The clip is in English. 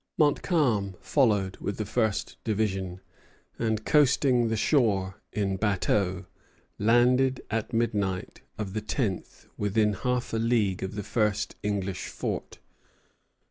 Montcalm followed with the first division; and, coasting the shore in bateaux, landed at midnight of the tenth within half a league of the first English fort.